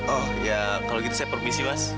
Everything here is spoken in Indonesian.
oh ya kalau gitu saya permisi mas